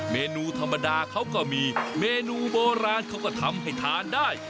เมนูธรรมดาเขาก็มีเมนูโบราณเขาก็ทำให้ทานได้